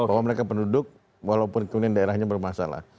bahwa mereka penduduk walaupun kemudian daerahnya bermasalah